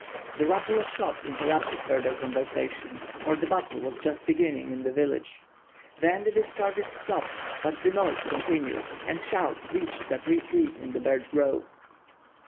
The rattle of shots interrupted further conversation, for the battle was just beginning in the village. Then the discharges stopped, but the noise continued, and shouts reached that retreat in the birch grove.